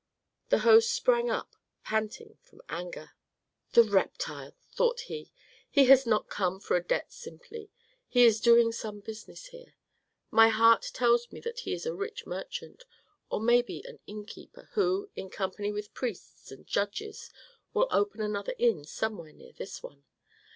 The host sprang up, panting from anger. "The reptile!" thought he. "He has not come for a debt simply. He is doing some business here. My heart tells me that he is a rich merchant, or maybe an innkeeper who, in company with priests and judges, will open another inn somewhere near this one.